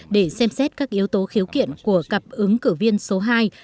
để xem xét các yếu tố khiếu kiện của cặp ứng cử viên số hai